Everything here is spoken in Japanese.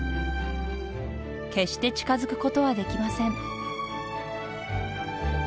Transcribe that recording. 決して近づくことはできません